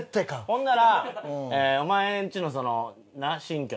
ほんならお前んちの新居の。